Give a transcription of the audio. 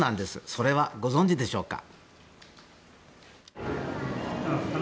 それはご存じでしょうか？